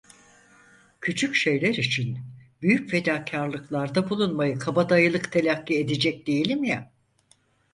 Küçük şeyler için büyük fedakarlıklarda bulunmayı kabadayılık telakki edecek değilim ya?